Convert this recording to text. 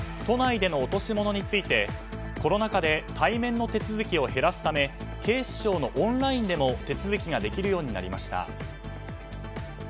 都内での落とし物についてコロナ禍で対面の手続きを減らすため警視庁のオンラインでも手続きができるようになりました。